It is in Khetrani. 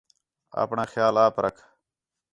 اپݨاں خیال آپ رکھ